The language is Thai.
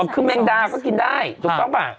อ๋อคือแมงดาก็กินได้ถูกครับอ่ะ